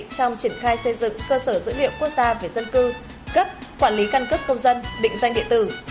trong triển khai xây dựng cơ sở dữ liệu quốc gia về dân cư cấp quản lý căn cấp công dân định doanh địa tử